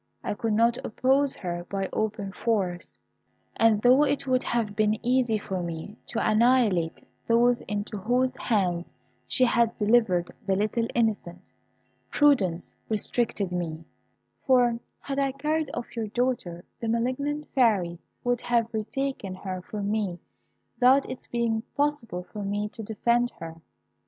I could not oppose her by open force; and though it would have been easy for me to annihilate those into whose hands she had delivered the little innocent, prudence restrained me; for, had I carried off your daughter, the malignant Fairy would have retaken her from me, without its being possible for me to defend her.